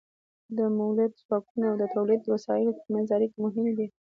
د مؤلده ځواکونو او د تولید د وسایلو ترمنځ اړیکې مهمې دي.